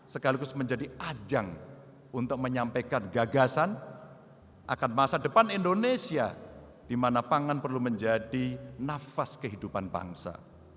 sekaligus menjadi ajang untuk menyampaikan gagasan akan masa depan indonesia di mana pangan perlu menjadi nafas kehidupan bangsa